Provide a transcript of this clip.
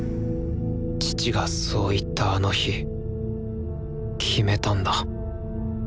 父がそう言ったあの日決めたんだ